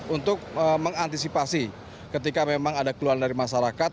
untuk mengantisipasi ketika memang ada keluaran dari masyarakat